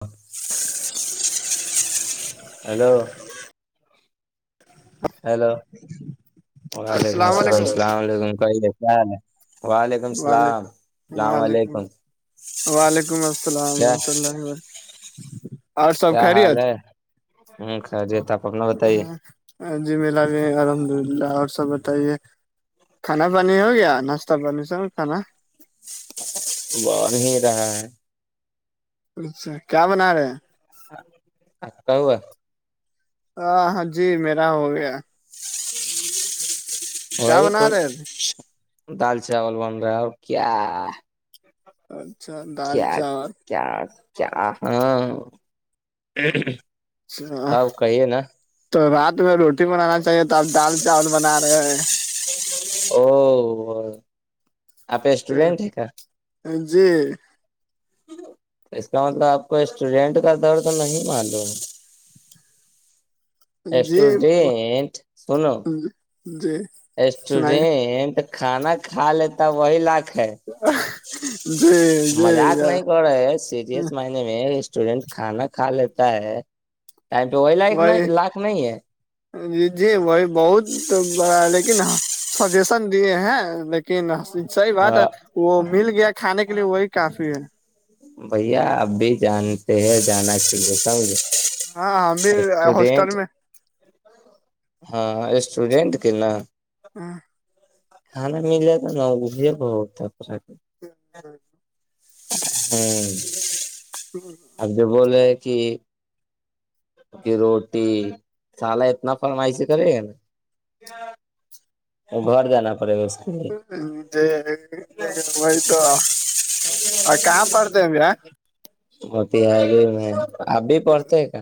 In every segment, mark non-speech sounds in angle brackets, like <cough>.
ہ hello hello وعلیکم السلام السلام علیکم کو د وعلیکم السلام وعلیکم السلام وعلیکم علیکم وعلیکم السلام کیا ورحمۃ اللہ و برکہ کیا حال ہے ہ خریی تپ اپنا بتائیے جی ملا بھی الحمد للہ اور سب بتائیے کھانا پانی ہو گیا نا بس کانا بن ہی رہا ہے اچھا کیا بنا رہے ہیں کہ ہووا ہاں ہاں جی میرا ہو گیا کیا وہی بنا کچ رہے تھے؟ دال چاول بن رہا ہے اور کیا اچھا دال کیا چاول کیا کیا ہاں اچھا آپ کہیے نا تو رات میں روٹی بنانا چاہیے تو آپ دال چاول بنا رہے ہیں او آپ اسٹوڈینٹ ہے کیا جی اس کا مطلب آپ کو اسٹوڈینٹ کا درد تو نہیں معلوم ہے جی ڈٹ سنو <unintelligible> جی سنائیے اسٹوڈینٹ تو کھانا کھا لیتا وہی لاکھ ہے جی جی مذاق نہیں کر رہے سیریس مائ میں ریسٹورینٹ کھانا کھا لیتا ہے ٹم ول وہی جی وہی بہت بڑا لیکن ہ سجیشن دیے ہیں لیکن صحیح بات ہے وہ مل گیا کھانے کے لیے وہی کافی ہے بھیا اب بھی جانتے ہیں جانا چ لیے سمجھ ہاں ہم بھی ہوسٹل اسٹوڈینٹ میں ہاں اسٹوڈنٹ کے نا ہ <unintelligible> کھانا مل جات تو نج بہت تھا ہاں اب جو بول کہ کہ روٹی سالا اتنا فرمائش کرے گا نا ج <unintelligible> وہ گھر جانا پڑے گا اسسے ج ج گ ہمئی تو آ کا پاڑتے میاا موتی حاریی میں آپ بھی پڑھتے ہیں کیا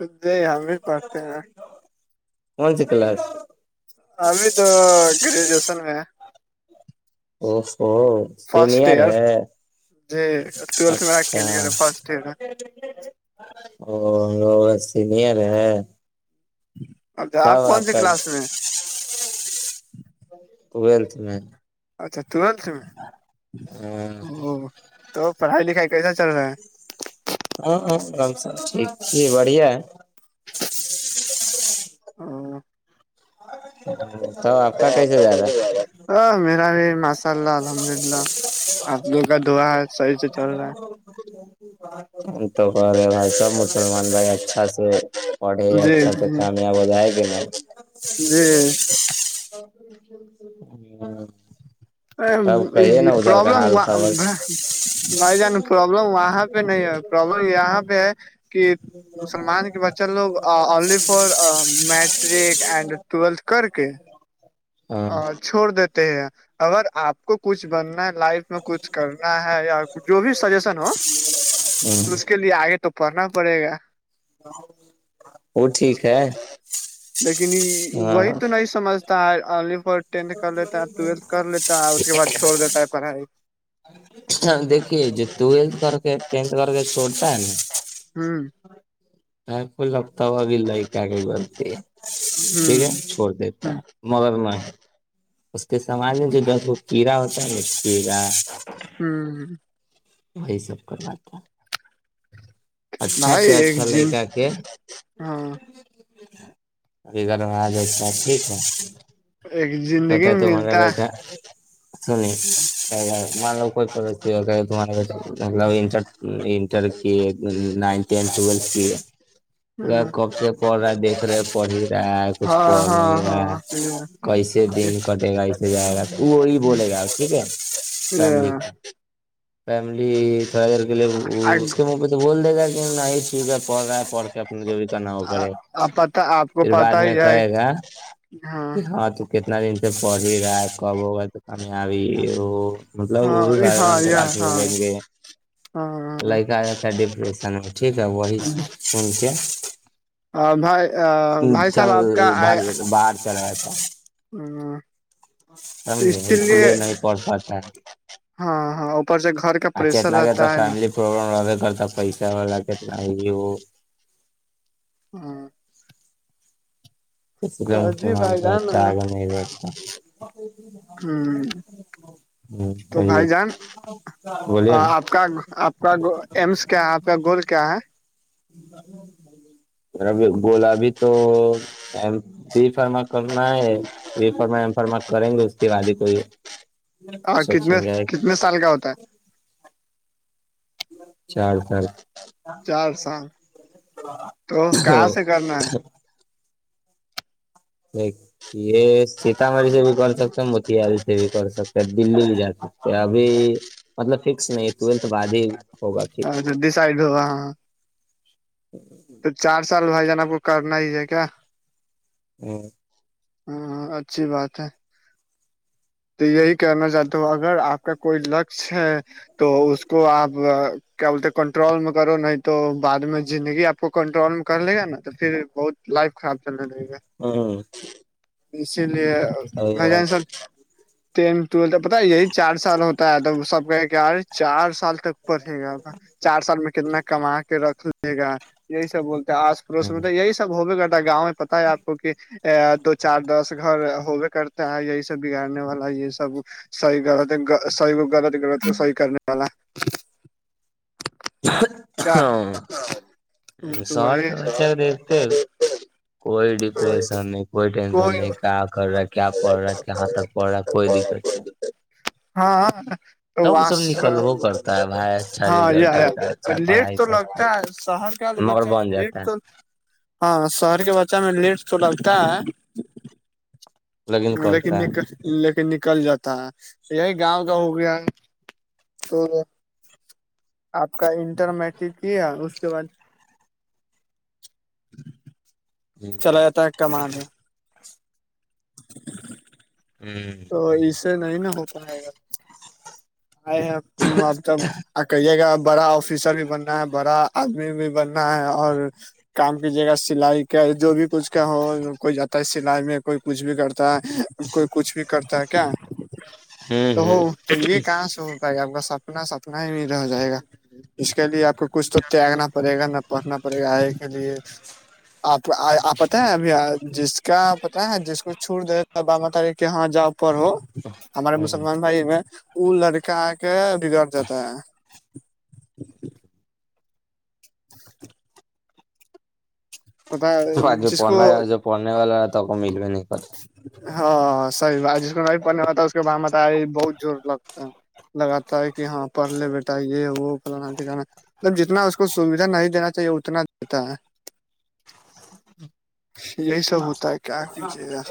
ہ جی ہم بھی پڑتے ہیںا کون س کلاس ابھی تو گریجویشن میں ہے ا ہو فرسٹ سینئر ایئر ہے جی ٹویلتھ میرا اچھا کلیئر ہے فرسٹ ایئر ہے او لو بس سینر ہے اب آپ تب کون سےی کلاس میں اچ <unintelligible> ہول ت میں اچھا ٹویلتھ میں او تو پڑھائی لکھائی کیسا چل رہا ہے ہاں ہاں ر س ٹھیک بڑھیا ہے ہ <unintelligible> تب تو آپ کا کیسے سٹ جا رہا ہے ہ میرا بھی ماشاء اللہ الحمد للہ آ لو کا دھوا صحیح سے چل رہا ہے ا <unintelligible> ہم تو کر رہے بھائی سب مسلمان بھائی اچھا سے پڑھے ہے اچھا سے جی کامیاب ہو جائے کہ نہیں جی نہیں ا تب کہیے نا ادھر کا پرابلم حال خبر بھائی جان پرابلم وہاں پہ نہیں ہے پرابلم یہاں پہ ہے کہ مسلمان کے بچے لوگ الی فور میٹرک اینڈ ٹویلتھ کر کے ہاں اور چھوڑ دیتے ہیں اگر آپ کو کچھ بننا ہے لائف اس کچھ کرنا ہے یا جو بھی سجیشن ہو ہوں تو اس کے لیے آگے تو پڑنا پڑے گا وہ ٹھیک ہے لیکن وہی تو ہاں نہیں سمجھ پ ٹینتھ کر لیتا ٹویلتھ کر لیتا اس کے بع چھوڑ دیتا ہے پڑھائی دیکھیے جو ٹویلتھ کر کے ٹینتھ کر کے چھوڑتا ہے نا ہوں ہ کوئی لگتا ہو ابھی لائ کے کے بلتی ہے ٹھیک ہے ہوں چھوڑ دیتا ہ ہے مدر نہیں اس کے سامان میں جو دس وہ کیڑا ہوتا ہے نا کیڑا ہوں وہی سب کرواتا اچھا بھائی سے ایک اچھا جن لائکا کے ہاں اھی گھر میں آ جات ٹھیک ہے ایک جن کتاا تومار ا یہٹ سنییں مان لوگ کوئی پر ہو کہ تہار بی مطلرٹر نائنتھ ٹینتھ ٹویلتھ کی ہے ہاں کب سے پڑھ رہا دیکھ رہے پڑھ ہی رہا ہے کچھ پڑھ ہاں نہیں رہا ہے ہاں کیسے دین کٹے گا اسے جائے گا تو وہی بولے گا ٹھیک ہے فیم کو فیملی تھوڑا دیر کے لیے اس کے منہ تو بول دے گا کہ نہیں چیز پڑ رہا ہے پڑھ کے اپنا جوورکا نہ ہو پڑے اب پت آپ کو پت ہی ہے ہے کہ ہاں تو کتنا دن سے پڑھ ہی رہا ہے کب ہو گا تو کام آبی ہو مطلب ہاں وہ بھی بار ہاں رن کے یہ بات ب ہاں لیں گے ہاں لائک آ جا ہے ڈپریشن میں ٹھیک ہے وہی سے فون کے بھائی بھائی صاحب آپ چل بگ باہر چلا گیا تھا ہ <unintelligible> سمجھے اس لیے نہیں پڑھ پاتا ہے ہاں ہاں اوپر سے گھر کا پریشر رہتا ہے نا پربلم رہا کرتا پیس لگے نہیں وہ ہاں کسی کا جی مسلمان بھائی کا ب جان چا ہ آگے نہیں جتا ہوں تو سی ہے بھائی جان آپ کا آپ کا ایمس کیا ہے آپ کا گول کیا ہے <unintelligible> ب گلابی تو بھی فرما کرنا ہے ریفرمفرم کریں گے اس کے بعد ہی کوئی ہاں کتنے سوچیں گے کتنے سال کا ہوتا ہے چار سال چار سال تو کہاں سے کرنا ہے دیک یہ سیتامڑھی سے بھی کر سکتے موتہاری سے بھی کر سکتے دلی بھی جا سکتے ہیں ابھی مطلب فکس نہیں ٹویلتھ بعد ہی ہوگا فکس جد سائڈ ہوا ہاں ج تو چار سال بھائی جان آ کو کرنا ہی ہے کیا ہ <unintelligible> ہاں اچھی بات ہے تو یہی کہنا چاہتا ہوں اگر آپ کا کوئی لک ہے تو اس کو آپ کیا بولتے کنٹرول میں کرو نہیں تو بعد میں زندگی آپ کو کنٹرول میں کر لے گا نا تو پھر بہت لائف خراب چلنے لے گا ہوں اسی لیے صحیح گجن بات سب ٹینتھ ٹویلتھ پتا یہی چار سال ہوتا ہے توب سب کہ کہارے چار سال تک پڑھے گا چار سال میں کتنا کما کے رکھ لے گا یہی سب بولتے آج پس ہوں م یہی سب ہو بھی کرتا گاؤں میں پتا ہے آپ کو کہ ا دو چار دس گھر ہوبے کرتےتا ہے یہی س بگ نے والا یہ سب صحی غلط صحی کو غلط غلط تو صحیح کرنے والا کیا ہاں تو شہر وہی کا بچہ کو دیکھتے ہو کوئی ڈپریشن نہیں کوئی ٹینشن نہیں کیا کر رہا ہے کیا پڑ رہا ہے کہاں تک پڑھ رہا ہے کوئی دقت نہیں ہاں تو تب وہ سب وس نکلو کرتا ہے بھائی اچھا ہاں رزلٹ آتا ہے اچھا لیٹ پڑھائی تو کرتا لگتا ہے شہر ہے مگر بچہ میں بن لیٹ جاتا ہے تو ہاں شہر کے بچہ میں لیٹ تو لگتا ہے لیکن نکل لیکن نکل جاتا ہے یہی گاؤں کا ہو گیا ہے اور آپ کا انٹر میٹک ہی ہے اس کے بعد ہے چلا جا ہے کمان رہ ہوں تو اسے نہیں نا ہو پائے گا آ ابب آ کہیے گا بڑا آفیسر بھی بننا ہے بڑا آدمی بھی بننا ہے اور کام کیجیے گا سلائی کیا جو بھی کچھ کا ہو کوئی جاتا ہے سلائی میں کوئی کچھ بھی کرتا ہے کوئی کچھ بھی کرتا ہے کیا تو ہو ہوں تو یہ کہاں سے ہو پائے آپ کا سب انا سپنا ہی نہیں رہ جائے گا اس کے لیے آپ کو کچھ تو تیاگنا پڑے گا نہ پڑنا پڑے گا آگ کے لیے آپ آپ پتا ہے ابھی جس کا پتہ ہے جس کو چھوڑ د با ما تاری کے یہاں جاؤ پڑو ہمارے ہوں مسلمان بھائی میں ا لڑکا آ کے بدڑ جاتا ہے پتا تو آ جو جس کو پنانے ج جو پنے والا ہے تو کو ملو نہیں، کت ہاں صحی بات جس کو نہیں پڑنے ہوتا اس کے ب مت بہت زور لگتا لگاتا ہے کہ ہاں پڑھ لے بیٹا یہ وہ فلانا ٹھکانا مطلب جتنا اس کو سویدھا نہیں دینا چاہیے اتنا دیتا ہے ہ یہی سب ہوتا ہے کیا کیجیے گا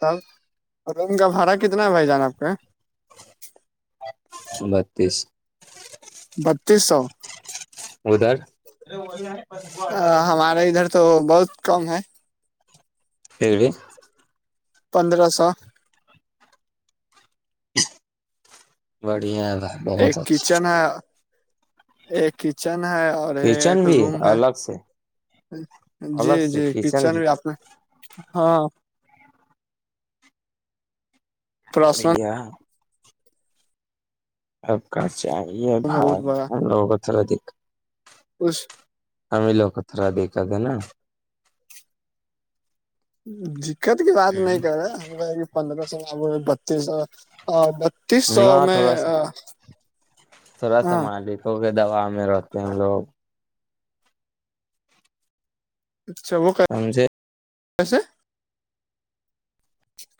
تب روم کا بھاڑا کتنا بائی جانا آپ کے بتیس بتیس سو ادھر ا ہمارا ادھر تو بہت کم ہے خی پندرہ سو بڑیا تھا ایک کچن ہے ایک کچن ہے اور ایک کچن بھی روم ہے الگ سے جی جی کچن بھی آپ نے ہاں پرسنل لڑیا آپ کا چاہیے روم ہے بہت بھائی ہم لوگوں کو تھوڑا دکھ خوش ہمھی لوگ اترا دیکھ د نا دقت کی بات نہیں کر رہے ہم پندرہ سو آ بتیس سو تیس سو نہ میں تھوڑا سا تھوڑا سا ہاں مان لکھوک کہ دوا میں رہتے ہیں لوگ اچھا وہ ساںھے کیسے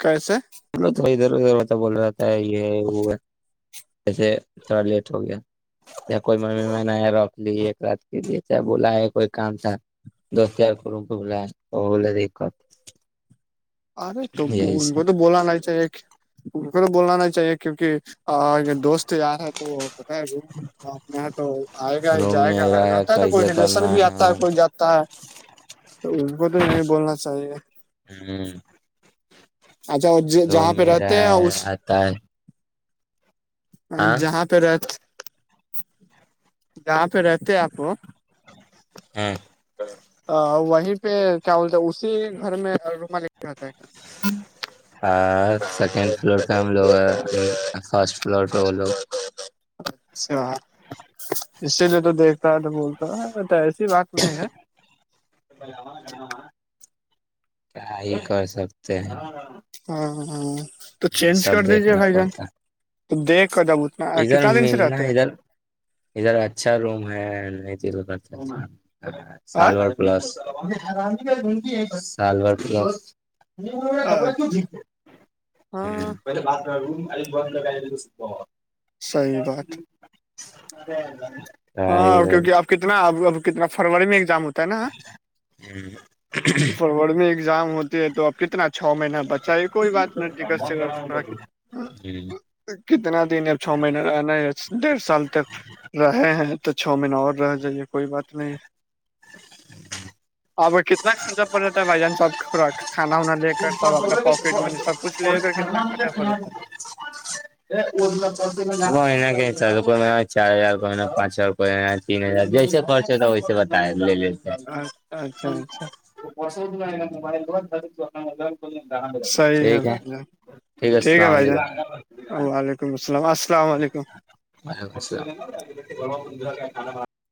کیسے چلو تو ادھر ادھر ہوتا بول رہا ہے یہ وہ ہے ویسے تھوڑا لیٹ ہو گیا کوئی ممی میں نےیا رکھ لی ایک رات کے لیے چاہے بلا ہے کوئی کام تھا دست ہیار کر کو بلا وہ بولے دیکت ارے تو ان کو تو سب بولانا چ ایک ان کو تو بولنا نہا چاہیے کیوںکہ دوست یار ہے تو پتا ہے اپنا یہاں تو آئے گا روم جائے گا میرا رہتا ہے تو کوئی کیسے ریلیشن کرنا بھی آتا ہے کوئی جاتا تو کو تو نہیں بولنا چاہیے ہ اچھا اور جہاں روم پہ میرا رہتے ہیں ہے اس آتا ہے اور ہاں جہاں پہ رہ جاں پہ رہتے آپ وہ ہاں وہیں پہ کیا بولتے اسی گھر میں روم ل کے جتا ہے کیا ہاں سیکنڈ فلور پہ ہم لوگ ہیں فرسٹ فلور پہ وہ لوگ اچھا اسی لیے تو دیکھتا ہے تو بولتا ہوں میں ایسی بات نہیں ہے <inaudible> کیا ہی کر سکتے ہیں ہاں ہاں تو یہ چینج کر سب دیجیے دیکھنا بھائی جان پڑتا تو دیکھ کر دب اتنا ادھر کتنا دن سے ملنا رہتے ہیں ادھر ادھر اچھا روم ہے ن آ سال پلس سالور پلس ب ج ہ ہاں پہل بات روم بند صحیح بات اوررو ج ہے ہاں کیونکہ آپ کتنا اب کتنا فروری میں ایگزام ہوتا ہے نا فروری میں ایزام ہوتے ہے تو اب کتنا چھ مہینہ بچ سے کوئی بات نتی کرتے گ کتنا دن یا چھو مہینہ رہنا ہے ڈیڑھ سال تک رہے ہیں تو چھو مہینہ اور رہ جائیے کوئی بات نہیں اب کتنا خرچہ پڑ رہتا ہے بھائی جان سب کو ر کھانا وا لے کر سب اپنا پاکٹ منی سب کچھ لے کر کتنا کرا پڑتا ہے وہین کیا چال روپئے م چار ہزار رپ م پانچ ہزار رپئے تین ہزار جیسے پرچتا ویسے بتا لے لیتے ہے اچھا اچھا بس تو نہیں ن موبائل بہ مائ صحیح ٹھیک ہے بھائی جان ٹھیک ہے السلام علیکم ولیکم السل السلام علیکم وعلیکم السلام